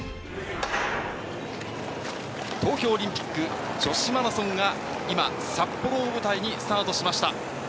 東京オリンピック女子マラソンが今、札幌を舞台にスタートしました。